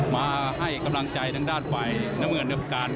มาให้กำลังใจทางด้านฝ่ายน้ำเงินดำการ